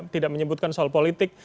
tidak menyebutkan soal politik